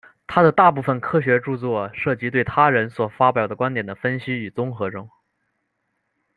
他的大部分科学着作涉及对他人所发表观点的分析与综合中。